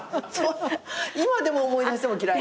今でも思い出しても嫌い。